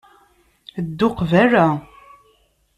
Ddu qbala.